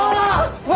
うわ！